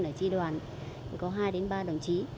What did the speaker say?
ở tri đoàn có hai đến ba đồng chí